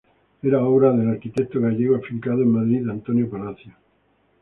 Era obra del arquitecto gallego afincado en Madrid Antonio Palacios.